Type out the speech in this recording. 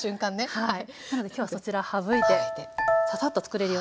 はい。